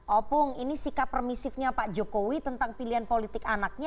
opung ini sikap permisifnya pak jokowi tentang pilihan politik anaknya